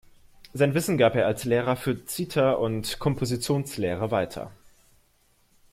Sein Wissen gab er als Lehrer für Zither und Kompositionslehre weiter.